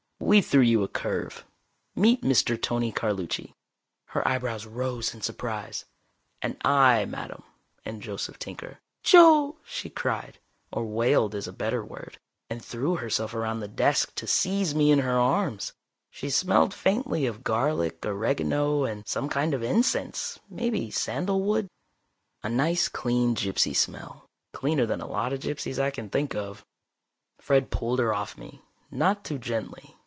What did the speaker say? "We threw you a curve. Meet Mr. Tony Carlucci." Her eyebrows rose in surprise. "And I, madame, am Joseph Tinker." "Joe!" she cried, or wailed is a better word, and threw herself around the desk to seize me in her arms. She smelled faintly of garlic, oregano and some kind of incense, maybe sandalwood. A nice clean gypsy smell. Cleaner than a lot of gypsies I can think of. Fred pulled her off me, not too gently.